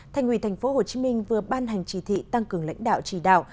thành ủy tp hcm vừa ban hành chỉ thị tăng cường lãnh đạo chỉ đạo